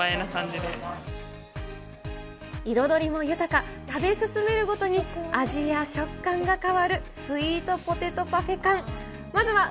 彩りも豊か、食べ進めるごとに味や食感が変わるスイートポテトパフェ缶。